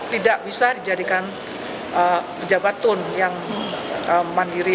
tidak bisa dijadikan pejabatun yang mandiri